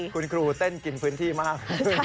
คุณครูเต้นกินพื้นที่มาก